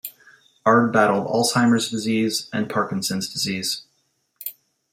Ard battled Alzheimer's disease and Parkinson's disease.